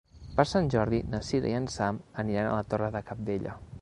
Per Sant Jordi na Cira i en Sam aniran a la Torre de Cabdella.